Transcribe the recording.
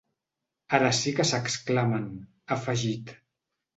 Ara sí que s’exclamen, ha afegit.